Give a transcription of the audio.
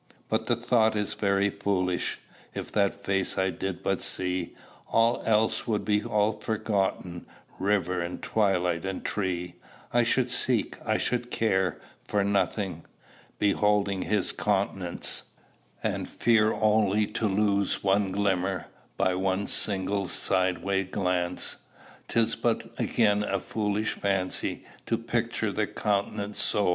"But the thought is very foolish: If that face I did but see, All else would be all forgotten, River and twilight and tree; I should seek, I should care, for nothing, Beholding his countenance; And fear only to lose one glimmer By one single sideway glance. "'Tis but again a foolish fancy To picture the countenance so.